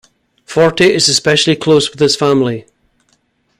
Forte is especially close with his family.